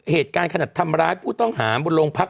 เหตุงานขนัดทำร้ายผู้ต้องหาบุญโรงพักษณ์